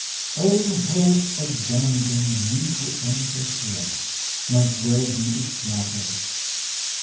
"All hope abandon, ye who enter here," might well be its motto.